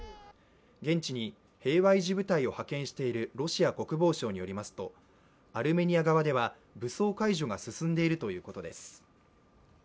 現地に平和維持部隊を派遣しているロシア国防省によりますとアルメニア側では武装解除が進んでいるということです。